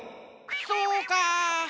そうか。